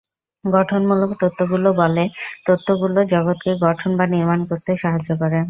গঠনমূলক তত্ত্বগুলো বলে, তত্ত্বগুলো জগৎকে গঠন বা নির্মাণ করতে সাহায্য করে।